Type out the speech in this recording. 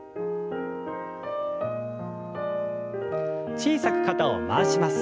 小さく肩を回します。